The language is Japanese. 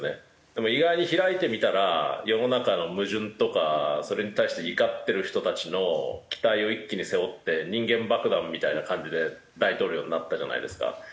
でも意外に開いてみたら世の中の矛盾とかそれに対して怒ってる人たちの期待を一気に背負って人間爆弾みたいな感じで大統領になったじゃないですか。